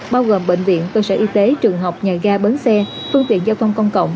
bao gồm bệnh viện cơ sở y tế trường học nhà ga bến xe phương tiện giao thông công cộng